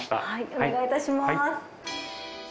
お願いいたします。